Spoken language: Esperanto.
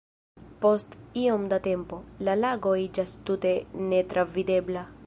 Post iom da tempo, la lago iĝas tute netravidebla.